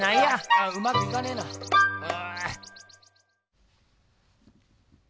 あっうまくいかねえなう。